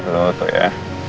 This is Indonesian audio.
lo tuh ya